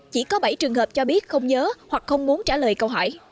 chỉ có bảy trường hợp cho biết không nhớ hoặc không muốn trả lời câu hỏi